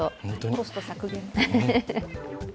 コスト削減。